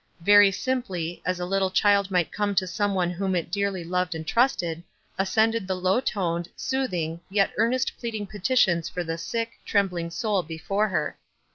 Very simply, as a little child might come to some one whom it dearly loved and trusted, ascended the low toned, soothing, yet earnest pleading petitions for the sick, trembling soul before her.